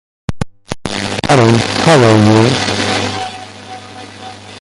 Her father was a music professor at the University of Nebraska at Kearney.